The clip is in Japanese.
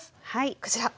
こちら。